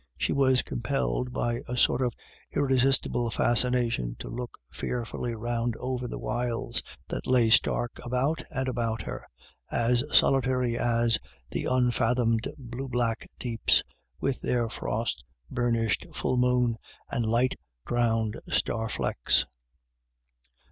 She was compelled by a sort of irresistible fascination to look fearfully round over the wilds that lay stark about and about her, as solitary as the unfathomed blue black deeps, with their frost burnished full moon and light drowned star flecks.